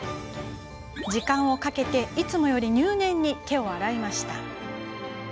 時間をかけ、いつもより入念に手を洗いました。